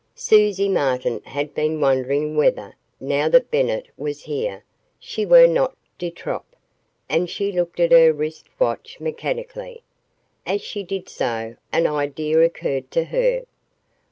Susie Martin had been wondering whether, now that Bennett was here, she were not de trop, and she looked at her wrist watch mechanically. As she did so, an idea occurred to her.